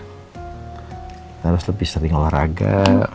kita harus lebih sering olahraga